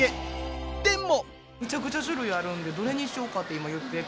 でも。